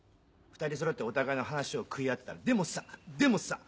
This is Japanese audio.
２人そろってお互いの話を食い合ってたら「でもさ」